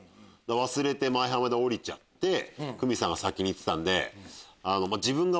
忘れて舞浜で降りちゃってクミさんが先に行ってたんで。